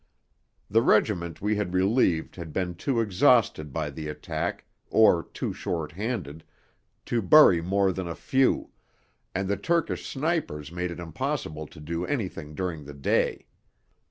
The regiment we had relieved had been too exhausted by the attack, or too short handed, to bury more than a few, and the Turkish snipers made it impossible to do anything during the day.